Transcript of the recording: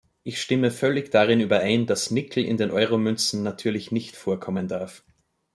Ich stimme völlig darin überein, dass Nickel in den Euro-Münzen natürlich nicht vorkommen darf.